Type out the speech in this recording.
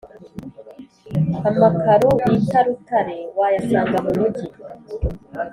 Amakaro bita rutare wayasanga mumugi